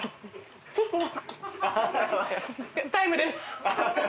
タイムです。